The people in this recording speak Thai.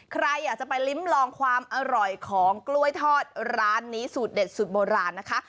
ใครอยากจะไปลิ้มลองความอร่อยของกล้วยทอดร้านนี้สูตรเด็ดสูตรโบราณนะคะ